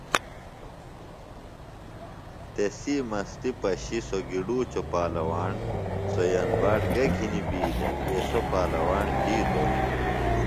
تسی مستی پشیۡ سوۡ گِڈوچوۡ پالواݨ، سوۡ یمباٹ گہ گِھنیۡ بی دےۡ ایسوۡ پالواݨ بِھیتوۡ ہِنوۡ